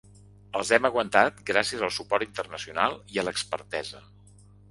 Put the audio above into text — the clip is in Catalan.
Els hem aguantat gràcies al suport internacional i a l’expertesa.